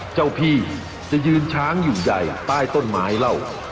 เจ้าพี่จะยืนช้างอยู่ใหญ่ใต้ต้นไม้เหล้า